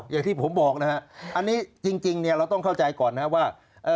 อย่างที่ผมบอกน่ะอันนี้จริงเราต้องเข้าใจก่อนนะว่า